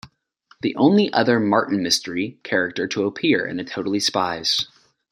The only other "Martin Mystery" character to appear in a "Totally Spies!